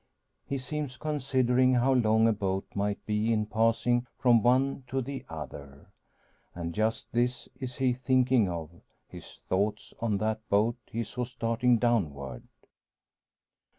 He seems considering how long a boat might be in passing from one to the other. And just this is he thinking of: his thoughts on that boat he saw starting downward.